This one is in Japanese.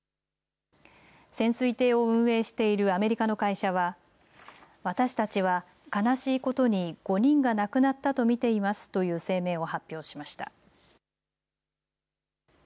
潜水艇を運営しているアメリカの会社は私たちは悲しいことに５人が亡くなったと見ていますという声明を発表しました。